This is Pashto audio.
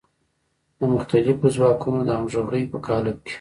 د مختلفو ځواکونو د همغږۍ په قالب کې.